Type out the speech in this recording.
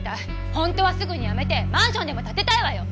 本当はすぐにやめてマンションでも建てたいわよ！